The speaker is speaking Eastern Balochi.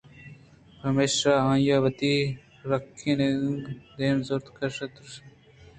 پمیشا آئی ءَ وتی رکیّنگ ءَ دائم زِر ءِکش ءَ ترٛشتیں تلار ءِ ٹُلّ ءَ شُت ءُ چراِت ءُسلامتیں چمّے زمین ءَ کُت